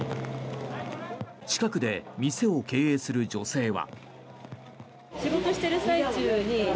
近くで店を経営する女性は。